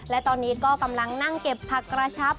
และตอนนี้ก็กำลังนั่งเก็บผักกระชับ